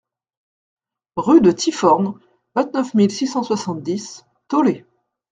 Rue de Ty-Forn, vingt-neuf mille six cent soixante-dix Taulé